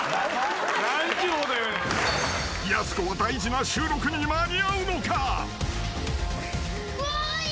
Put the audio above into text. ［やす子は大事な収録に間に合うのか？］